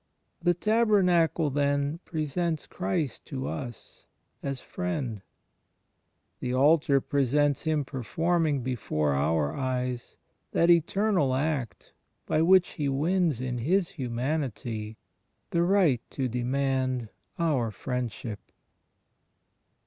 * The Tabernacle, then, presents Christ to us as Friend; the altar presents Him performing before our eyes that eternal act by which He wins in His Humanity the right to demand our friendship.